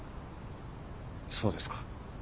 そうですか。